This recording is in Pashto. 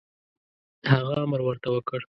هغه امر ورته وکړ.